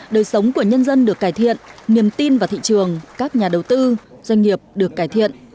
đời sống của nhân dân được cải thiện niềm tin vào thị trường các nhà đầu tư doanh nghiệp được cải thiện